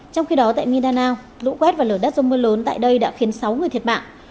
trong khi đó tại midanao lũ quét và lở đất do mưa lớn tại đây đã khiến sáu người thiệt mạng